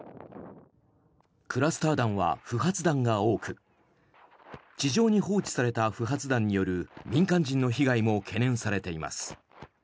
クラスター弾は不発弾が多く地上に放置された不発弾による民間人の被害も懸念されています。